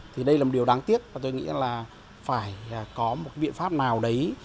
thì đây là một điều đáng tiếc và tôi nghĩ là phải có một biện pháp nào đấy